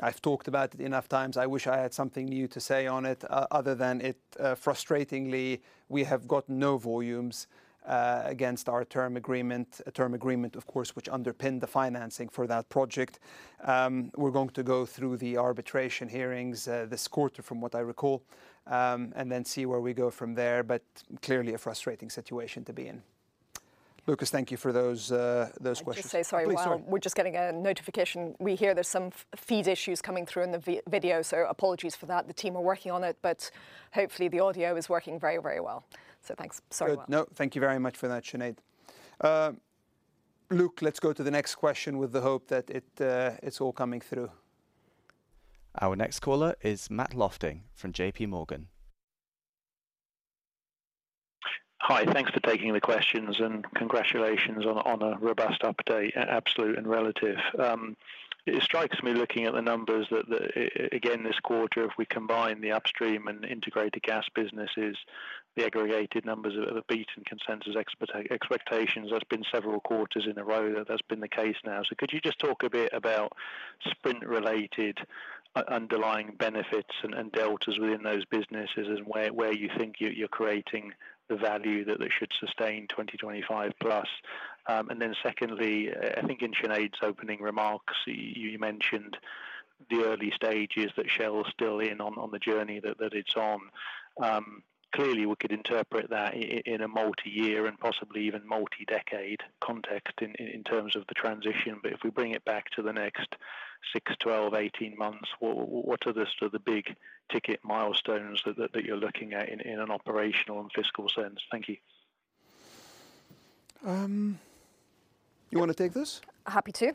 I've talked about it enough times. I wish I had something new to say on it other than it frustratingly, we have got no volumes against our term agreement, a term agreement, of course, which underpinned the financing for that project. We're going to go through the arbitration hearings this quarter, from what I recall, and then see where we go from there, but clearly a frustrating situation to be in. Lucas, thank you for those questions. I was going to say, sorry, we're just getting a notification. We hear there's some feed issues coming through in the video, so apologies for that. The team are working on it, but hopefully the audio is working very, very well. So thanks. Sorry. No, thank you very much for that, Sinead. Luke, let's go to the next question with the hope that it's all coming through. Our next caller is Matt Lofting from JPMorgan. Hi, thanks for taking the questions and congratulations on a robust update, absolute and relative. It strikes me looking at the numbers that, again, this quarter, if we combine the upstream and integrated gas businesses, the aggregated numbers have beaten consensus expectations. That's been several quarters in a row that that's been the case now, so could you just talk a bit about Sprint-related underlying benefits and deltas within those businesses and where you think you're creating the value that should sustain 2025+. And then secondly, I think in Sinead's opening remarks, you mentioned the early stages that Shell is still in on the journey that it's on. Clearly, we could interpret that in a multi-year and possibly even multi-decade context in terms of the transition. But if we bring it back to the next six months, 12 months, 18 months, what are the big ticket milestones that you're looking at in an operational and fiscal sense? Thank you. You want to take this? Happy to.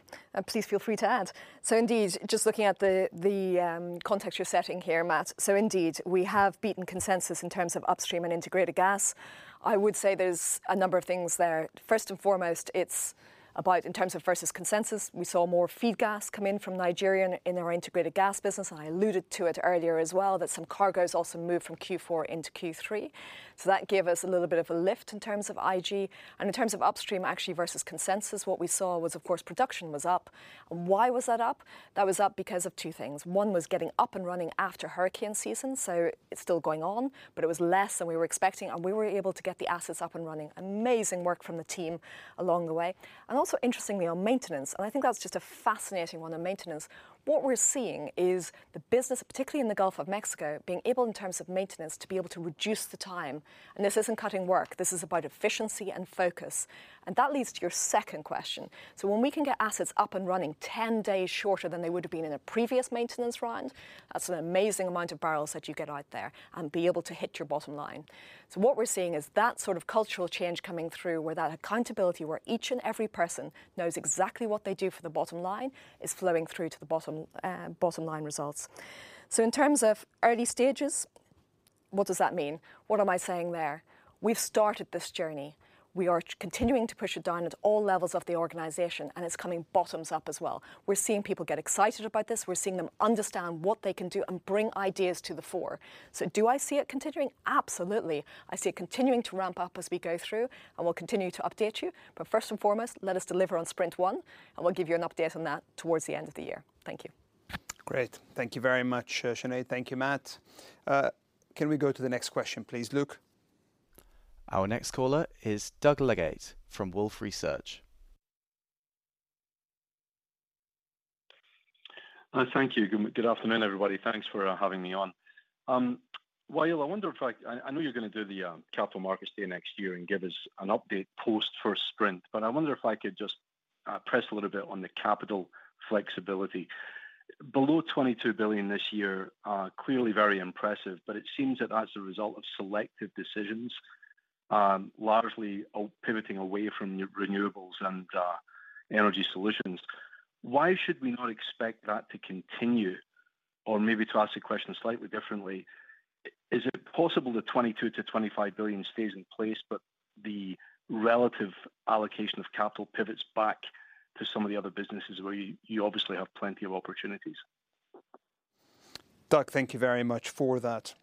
Please feel free to add. So indeed, just looking at the context you're setting here, Matt, so indeed, we have beaten consensus in terms of Upstream and Integrated Gas. I would say there's a number of things there. First and foremost, it's about in terms of versus consensus. We saw more feed gas come in from Nigeria in our Integrated Gas business. I alluded to it earlier as well, that some cargoes also moved from Q4 into Q3. So that gave us a little bit of a lift in terms of IG. In terms of Upstream, actually, versus consensus, what we saw was, of course, production was up. Why was that up? That was up because of two things. One was getting up and running after hurricane season. It's still going on, but it was less than we were expecting. We were able to get the assets up and running. Amazing work from the team along the way. Also, interestingly, on maintenance, and I think that's just a fascinating one on maintenance. What we're seeing is the business, particularly in the Gulf of Mexico, being able in terms of maintenance to be able to reduce the time. This isn't cutting work. This is about efficiency and focus. That leads to your second question. When we can get assets up and running 10 days shorter than they would have been in a previous maintenance round, that's an amazing amount of barrels that you get out there and be able to hit your bottom line. So what we're seeing is that sort of cultural change coming through where that accountability, where each and every person knows exactly what they do for the bottom line, is flowing through to the bottom line results. So in terms of early stages, what does that mean? What am I saying there? We've started this journey. We are continuing to push it down at all levels of the organization, and it's coming bottoms up as well. We're seeing people get excited about this. We're seeing them understand what they can do and bring ideas to the fore. So do I see it continuing? Absolutely. I see it continuing to ramp up as we go through, and we'll continue to update you. But first and foremost, let us deliver on Sprint 1, and we'll give you an update on that towards the end of the year. Thank you. Great. Thank you very much, Sinead. Thank you, Matt. Can we go to the next question, please, Luke? Our next caller is Doug Legate from Wolfe Research. Thank you. Good afternoon, everybody. Thanks for having me on. Wael, I wonder if I know you're going to do the Capital Markets Day next year and give us an update post-first Sprint, but I wonder if I could just press a little bit on the capital flexibility. Below $22 billion this year, clearly very impressive, but it seems that that's a result of selective decisions, largely pivoting away from renewables and energy solutions. Why should we not expect that to continue? Or maybe to ask the question slightly differently, is it possible that $22 billion-$25 billion stays in place, but the relative allocation of capital pivots back to some of the other businesses where you obviously have plenty of opportunities? Doug, thank you very much for that.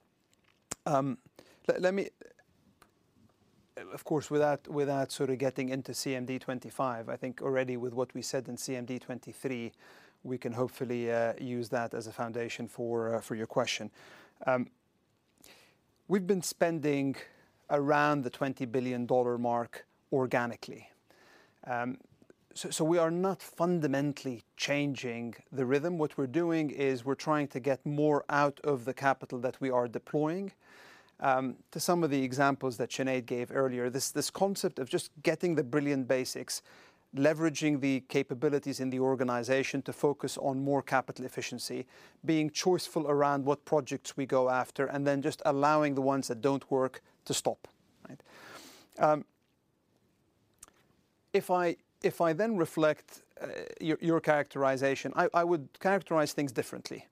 Of course, without sort of getting into CMD 2025, I think already with what we said in CMD 2023, we can hopefully use that as a foundation for your question. We've been spending around the $20 billion mark organically. So we are not fundamentally changing the rhythm. What we're doing is we're trying to get more out of the capital that we are deploying. To some of the examples that Sinead gave earlier, this concept of just getting the brilliant basics, leveraging the capabilities in the organization to focus on more capital efficiency, being choiceful around what projects we go after, and then just allowing the ones that don't work to stop. If I then reflect your characterization, I would characterize things differently.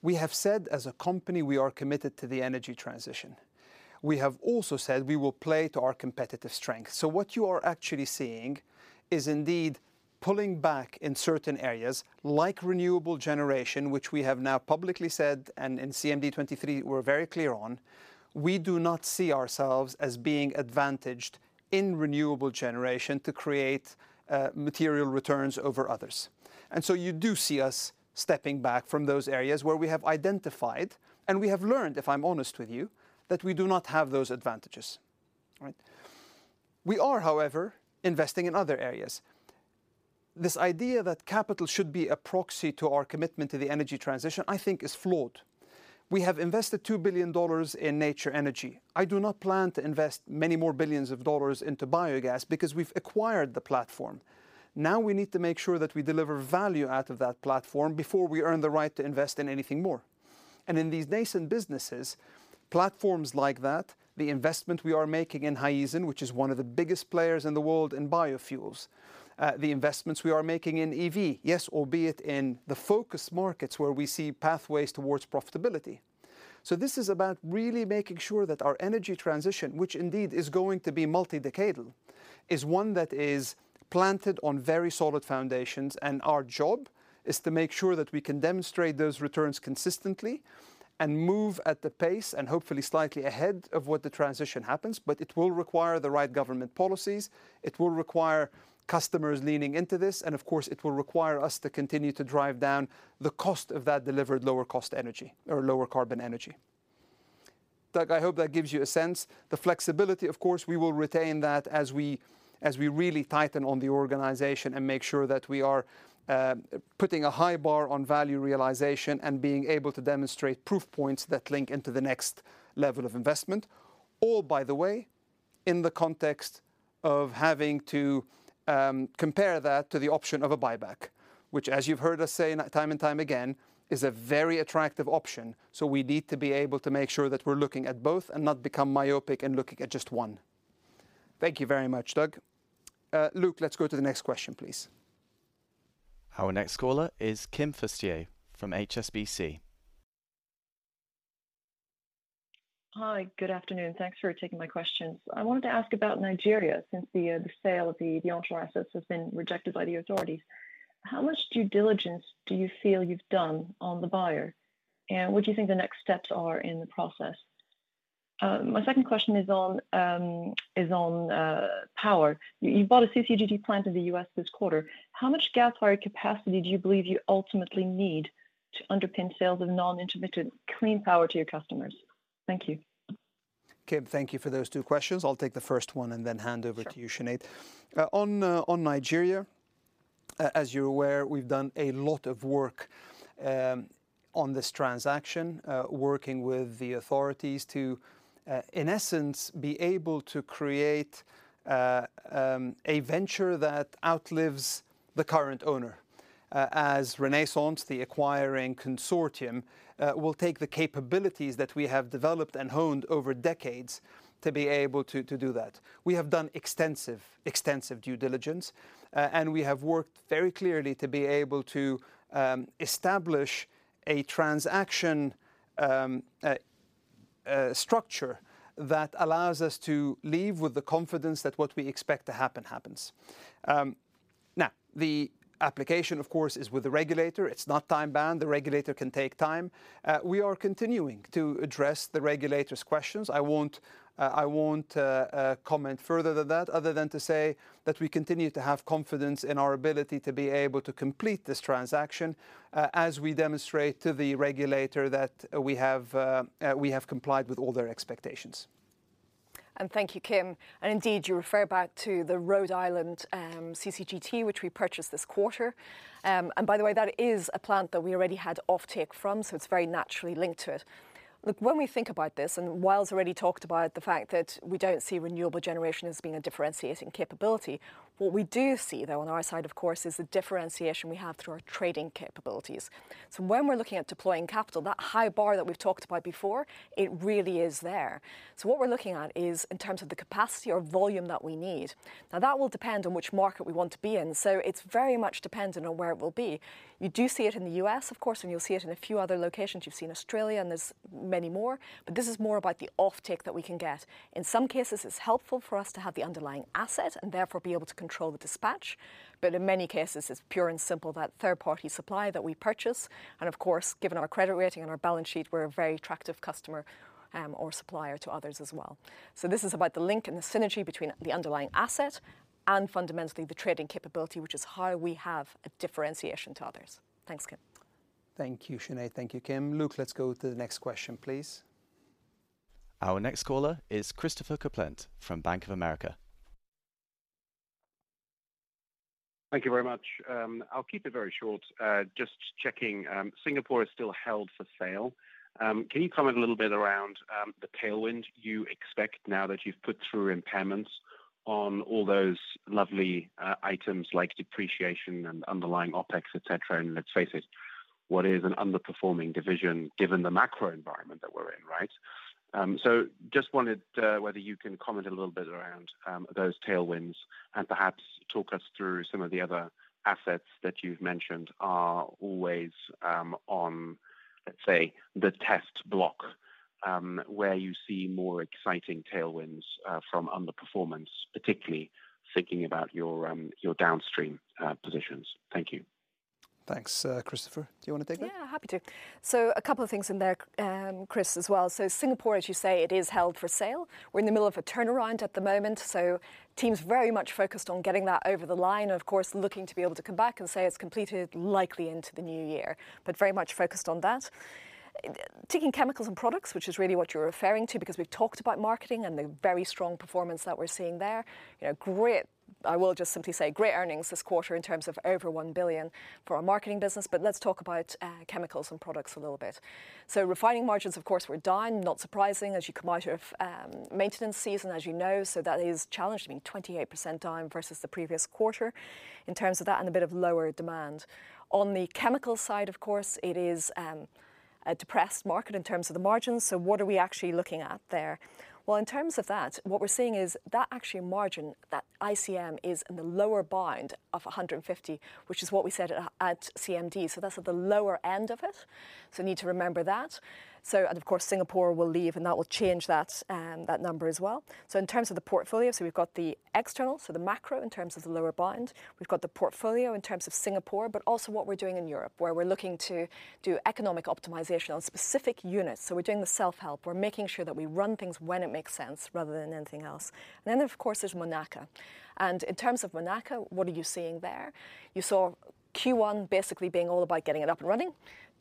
We have said as a company, we are committed to the energy transition. We have also said we will play to our competitive strength. So what you are actually seeing is indeed pulling back in certain areas like renewable generation, which we have now publicly said and in CMD 2023, we're very clear on. We do not see ourselves as being advantaged in renewable generation to create material returns over others. And so you do see us stepping back from those areas where we have identified and we have learned, if I'm honest with you, that we do not have those advantages. We are, however, investing in other areas. This idea that capital should be a proxy to our commitment to the energy transition, I think, is flawed. We have invested $2 billion in Nature Energy. I do not plan to invest many more billions of dollars into biogas because we've acquired the platform. Now we need to make sure that we deliver value out of that platform before we earn the right to invest in anything more. And in these nascent businesses, platforms like that, the investment we are making in Raízen, which is one of the biggest players in the world in biofuels, the investments we are making in EV, yes, albeit in the focus markets where we see pathways towards profitability. So this is about really making sure that our energy transition, which indeed is going to be multi-decadal, is one that is planted on very solid foundations. And our job is to make sure that we can demonstrate those returns consistently and move at the pace and hopefully slightly ahead of what the transition happens. But it will require the right government policies. It will require customers leaning into this. And of course, it will require us to continue to drive down the cost of that delivered lower cost energy or lower carbon energy. Doug, I hope that gives you a sense. The flexibility, of course, we will retain that as we really tighten on the organization and make sure that we are putting a high bar on value realization and being able to demonstrate proof points that link into the next level of investment. Or by the way, in the context of having to compare that to the option of a buyback, which, as you've heard us say time and time again, is a very attractive option. So we need to be able to make sure that we're looking at both and not become myopic in looking at just one. Thank you very much, Doug. Luke, let's go to the next question, please. Our next caller is Kim Fustier from HSBC. Hi, good afternoon. Thanks for taking my questions. I wanted to ask about Nigeria since the sale of the onshore assets has been rejected by the authorities. How much due diligence do you feel you've done on the buyer? And what do you think the next steps are in the process? My second question is on power. You've bought a CCGT plant in the U.S. this quarter. How much gas-fired capacity do you believe you ultimately need to underpin sales of non-intermittent clean power to your customers? Thank you. Kim, thank you for those two questions. I'll take the first one and then hand over to you, Sinead. On Nigeria, as you're aware, we've done a lot of work on this transaction, working with the authorities to, in essence, be able to create a venture that outlives the current owner, as Renaissance, the acquiring consortium, will take the capabilities that we have developed and honed over decades to be able to do that. We have done extensive due diligence, and we have worked very clearly to be able to establish a transaction structure that allows us to leave with the confidence that what we expect to happen happens. Now, the application, of course, is with the regulator. It's not time-bound. The regulator can take time. We are continuing to address the regulator's questions. I won't comment further than that, other than to say that we continue to have confidence in our ability to be able to complete this transaction, as we demonstrate to the regulator that we have complied with all their expectations. And thank you, Kim. And indeed, you refer back to the Rhode Island CCGT, which we purchased this quarter. And by the way, that is a plant that we already had offtake from, so it's very naturally linked to it. Look, when we think about this, and Wael's already talked about the fact that we don't see renewable generation as being a differentiating capability. What we do see, though, on our side, of course, is the differentiation we have through our trading capabilities. So when we're looking at deploying capital, that high bar that we've talked about before, it really is there. So what we're looking at is in terms of the capacity or volume that we need. Now, that will depend on which market we want to be in. So it's very much dependent on where it will be. You do see it in the U.S., of course, and you'll see it in a few other locations. You've seen Australia, and there's many more. But this is more about the offtake that we can get. In some cases, it's helpful for us to have the underlying asset and therefore be able to control the dispatch. But in many cases, it's pure and simple that third-party supply that we purchase. And of course, given our credit rating and our balance sheet, we're a very attractive customer or supplier to others as well. So this is about the link and the synergy between the underlying asset and fundamentally the trading capability, which is how we have a differentiation to others. Thanks, Kim. Thank you, Sinead. Thank you, Kim. Luke, let's go to the next question, please. Our next caller is Christopher Kuplent from Bank of America. Thank you very much. I'll keep it very short. Just checking, Singapore is still held for sale. Can you comment a little bit around the tailwind you expect now that you've put through impairments on all those lovely items like depreciation and underlying OpEx, et cetera? And let's face it, what is an underperforming division given the macro environment that we're in, right? So just wondered whether you can comment a little bit around those tailwinds and perhaps talk us through some of the other assets that you've mentioned are always on, let's say, the test block where you see more exciting tailwinds from underperformance, particularly thinking about your Downstream positions. Thank you. Thanks, Christopher. Do you want to take that? Yeah, happy to. So a couple of things in there, Chris, as well. So Singapore, as you say, it is held for sale. We're in the middle of a turnaround at the moment. So teams very much focused on getting that over the line and, of course, looking to be able to come back and say it's completed likely into the new year, but very much focused on that. Taking Chemicals and Products, which is really what you're referring to, because we've talked about marketing and the very strong performance that we're seeing there, great. I will just simply say, great earnings this quarter in terms of over $1 billion for our marketing business. But let's talk about Chemicals and Products a little bit. So refining margins, of course, we're down, not surprising, as you come out of maintenance season, as you know. So that is challenged, being 28% down versus the previous quarter in terms of that and a bit of lower demand. On the chemical side, of course, it is a depressed market in terms of the margins. So what are we actually looking at there? Well, in terms of that, what we're seeing is that actually margin, that ICM is in the lower bound of 150, which is what we said at CMD. So that's at the lower end of it. So, and of course, Singapore will leave, and that will change that number as well. So in terms of the portfolio, so we've got the external, so the macro in terms of the lower bound. We've got the portfolio in terms of Singapore, but also what we're doing in Europe, where we're looking to do economic optimization on specific units. We're doing the self-help. We're making sure that we run things when it makes sense rather than anything else. Then, of course, there's Monaca. In terms of Monaca, what are you seeing there? You saw Q1 basically being all about getting it up and running,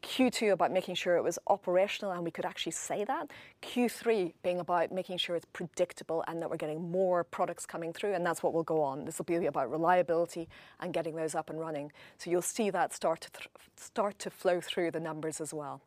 Q2 about making sure it was operational and we could actually say that, Q3 being about making sure it's predictable and that we're getting more products coming through. That's what will go on. This will be about reliability and getting those up and running. You'll see that start to flow through the numbers as well.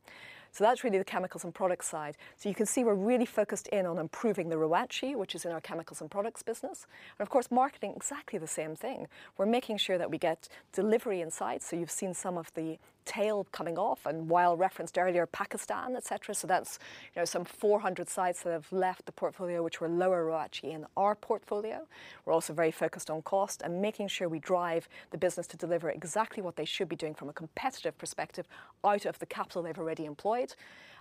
That's really the chemicals and product side. You can see we're really focused in on improving the Rheinland, which is in our Chemicals and Products business. Of course, marketing, exactly the same thing. We're making sure that we get delivery insights. So you've seen some of the tail coming off. And Wael referenced earlier Pakistan, et cetera. So that's some 400 sites that have left the portfolio, which were lower return in our portfolio. We're also very focused on cost and making sure we drive the business to deliver exactly what they should be doing from a competitive perspective out of the capital they've already employed.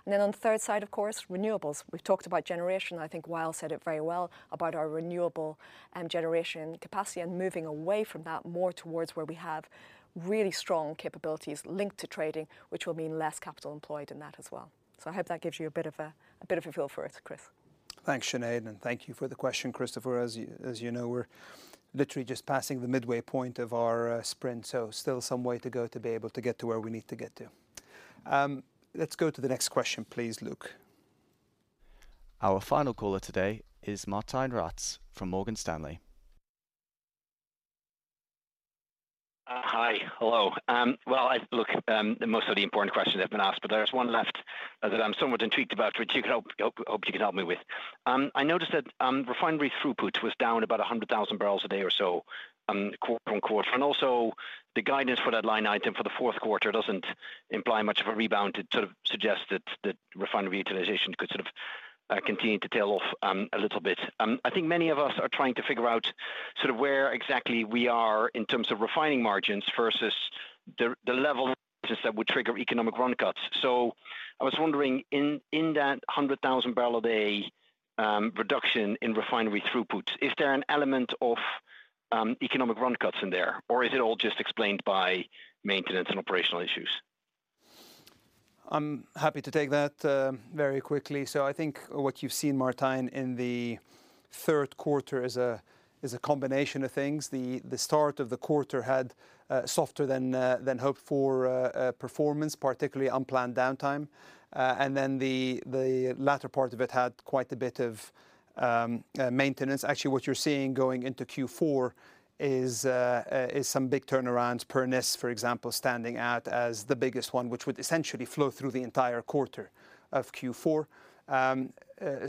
And then on the third side, of course, renewables. We've talked about generation. I think Wael said it very well about our renewable generation capacity and moving away from that more towards where we have really strong capabilities linked to trading, which will mean less capital employed in that as well. So I hope that gives you a bit of a feel for it, Chris. Thanks, Sinead, and thank you for the question, Christopher. As you know, we're literally just passing the midway point of our Sprint, so still some way to go to be able to get to where we need to get to. Let's go to the next question, please, Luke. Our final caller today is Martijn Rats from Morgan Stanley. Hi, hello. Well, look, most of the important questions have been asked, but there's one left that I'm somewhat intrigued about, which I hope you can help me with. I noticed that refinery throughput was down about 100,000 bbl a day or so quarter on quarter. And also the guidance for that line item for the fourth quarter doesn't imply much of a rebound to sort of suggest that refinery utilization could sort of continue to tail off a little bit. I think many of us are trying to figure out sort of where exactly we are in terms of refining margins versus the level of margins that would trigger economic run cuts. So I was wondering, in that 100,000 bbl a day reduction in refinery throughput, is there an element of economic run cuts in there, or is it all just explained by maintenance and operational issues? I'm happy to take that very quickly. So I think what you've seen, Martijn, in the third quarter is a combination of things. The start of the quarter had softer than hoped for performance, particularly unplanned downtime. And then the latter part of it had quite a bit of maintenance. Actually, what you're seeing going into Q4 is some big turnarounds. Pernis, for example, standing out as the biggest one, which would essentially flow through the entire quarter of Q4.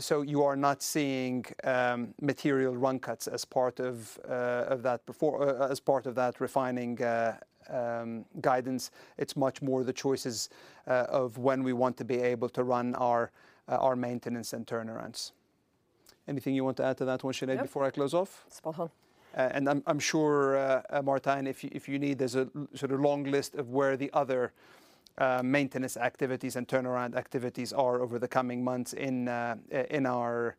So you are not seeing material run cuts as part of that refining guidance. It's much more the choices of when we want to be able to run our maintenance and turnarounds. Anything you want to add to that one, Sinead, before I close off? It's spot on. I'm sure, Martijn, if you need, there's a sort of long list of where the other maintenance activities and turnaround activities are over the coming months in our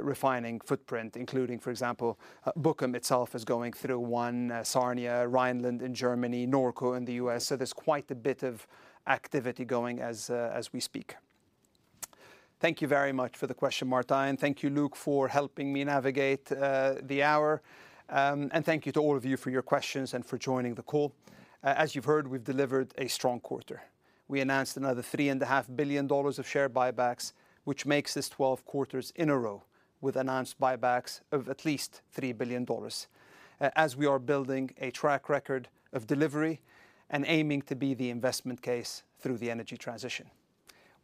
refining footprint, including, for example, Bukom itself is going through one, Sarnia, Rheinland in Germany, Norco in the U.S. So there's quite a bit of activity going as we speak. Thank you very much for the question, Martijn. Thank you, Luke, for helping me navigate the hour. And thank you to all of you for your questions and for joining the call. As you've heard, we've delivered a strong quarter. We announced another $3.5 billion of share buybacks, which makes this 12 quarter in a row with announced buybacks of at least $3 billion, as we are building a track record of delivery and aiming to be the investment case through the energy transition.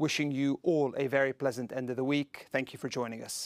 Wishing you all a very pleasant end of the week. Thank you for joining us.